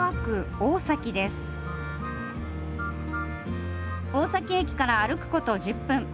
大崎駅から歩くこと１０分。